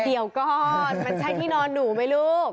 เดี๋ยวก่อนมันใช่ที่นอนหนูไหมลูก